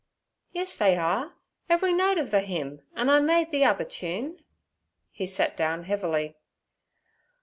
'Yes, they are, every note of the hymn, and I made the other tune.' He sat down heavily.